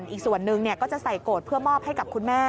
อีกส่วนหนึ่งก็จะใส่โกรธเพื่อมอบให้กับคุณแม่